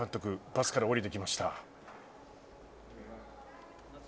バスから降りてきました。